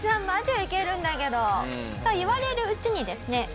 マジウケるんだけどと言われるうちにですね